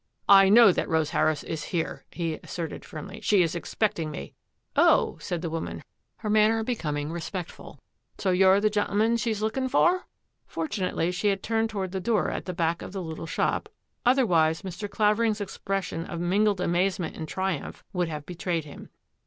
" I know that Rose Harris is here," he asserted firmly. " She is expecting me." " Oh," said the woman, her manner becoming respectful, " so you're the gentleman she's lookin* for?" Fortunately she had turned toward the door at the back of the little shop, otherwise Mr. Claver ing's expression of mingled amazement and tri umph would have betrayed him.